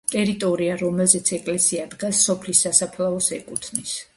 ტერიტორია, რომელზეც ეკლესია დგას, სოფლის სასაფლაოს ეკუთვნის.